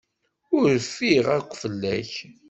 Ur rfiɣ akk fell-ak.